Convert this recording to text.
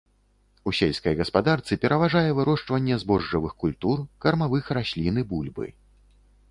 У сельскай гаспадарцы пераважае вырошчванне збожжавых культур, кармавых раслін і бульбы.